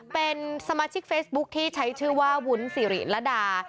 เป็นสมาชิกเฟซบุ๊คที่ใช้ชื่อว่าวุ้นสิริระดา